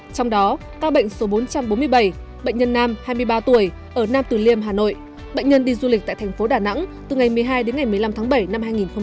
trong đó ca bệnh số bốn trăm bốn mươi bảy bệnh nhân nam hai mươi ba tuổi ở nam tử liêm hà nội bệnh nhân đi du lịch tại thành phố đà nẵng từ ngày một mươi hai đến ngày một mươi năm tháng bảy năm hai nghìn hai mươi